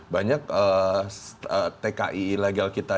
banyak tki ilegal kita